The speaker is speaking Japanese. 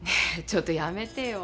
ちょっとやめてよ。